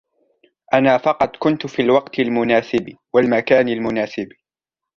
أنا فقط كنت في الوقت المناسب والمكان المناسب.